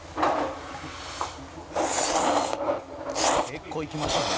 「結構いきますね」